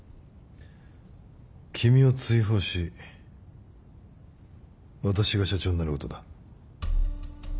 君を追放し私が社長になることだ。